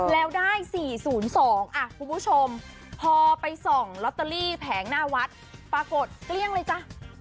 แล้วได้๔๐๒คุณผู้ชมพอไปส่องลอตเตอรี่แผงหน้าวัดปรากฏเกลี้ยงเลยจ้ะ